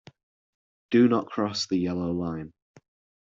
Do not cross the yellow line.